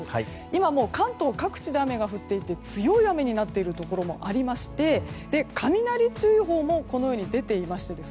今も関東各地で雨が降っていて強い雨になっているところもありましてこのように雷注意報も出ていまして